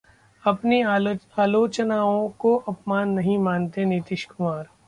अपनी आलोचनाओं को अपमान नहीं मानते नीतीश कुमार